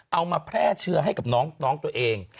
เอามาแพร่เชื้อให้กับน้องตัวเอง